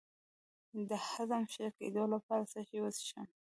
د هضم د ښه کیدو لپاره څه شی وڅښم؟